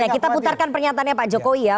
kita putarkan pernyataannya pak jokowi ya